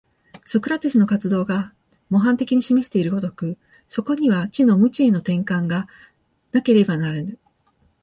ソクラテスの活動が模範的に示している如く、そこには知の無知への転換がなければならぬ。